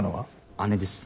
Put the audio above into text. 姉です。